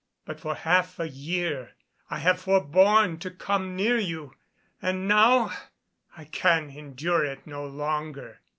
But for half a year I have forborne to come near you, and now I can endure it no longer."